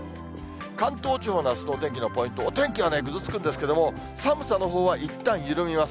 関東地方のあすのお天気のポイント、お天気はねぐずつくんですけれども、寒さのほうはいったん緩みます。